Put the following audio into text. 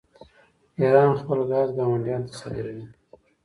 ایران خپل ګاز ګاونډیانو ته صادروي.